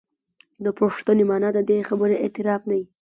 د پوښتنې معنا د دې خبرې اعتراف دی.